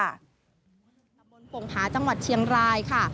บนปรงผาจังหวัดเชียงรายค่ะ